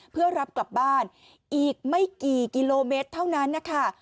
เพื่อรับกลับบ้านอีกไม่กี่กิโลเมตรเท่านั้นนะคะ